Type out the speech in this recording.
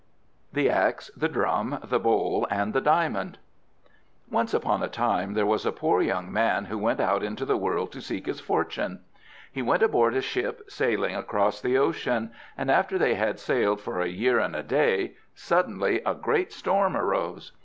THE AXE, THE DRUM, THE BOWL, AND THE DIAMOND Once upon a time there was a poor young man who went out into the world to seek his fortune. He went aboard a ship sailing across the ocean; and after they had sailed for a year and a day, suddenly a great storm arose.